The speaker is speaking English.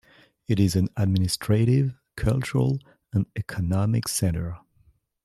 It is an administrative, cultural and economic centre.